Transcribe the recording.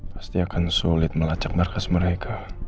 pasti akan sulit melacak markas mereka